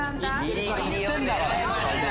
知ってんだから！